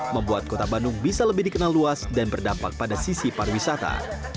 membuat kota bandung bisa lebih dikenal luas dan berdampak pada sisi pariwisata